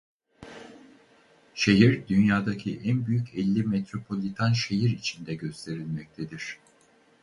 Şehir dünyadaki en büyük elli metropolitan şehir içinde gösterilmektedir.